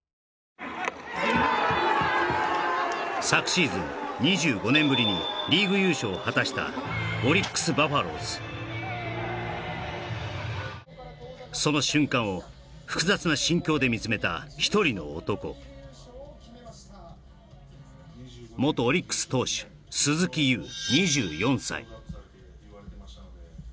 昨シーズン２５年ぶりにリーグ優勝を果たしたオリックス・バファローズその瞬間を複雑な心境で見つめた一人の男元オリックス投手鈴木優